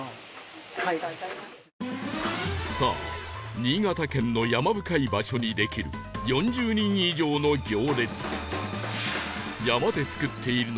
さあ新潟県の山深い場所にできる４０人以上の行列